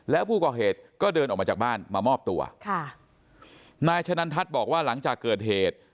แล้วผู้ก่อเหตุก็เดินออกมาจากบ้านมามอบตัวค่ะนายชะนันทัศน์บอกว่าหลังจากเกิดเหตุ